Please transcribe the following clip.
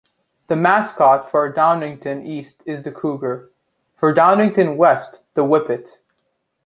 The mascot for Downingtown East is the cougar, for Downingtown West, the whippet.